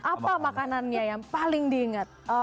apa makanannya yang paling diingat